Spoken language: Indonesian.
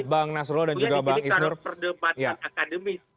jadi kita harus berdebat dengan akademis